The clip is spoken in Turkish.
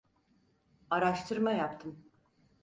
Araştırma yaptım.